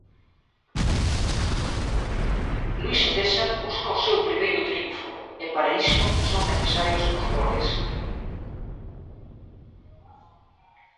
Luís César busca o seu primeiro triunfo, e para iso son necesarios os goles.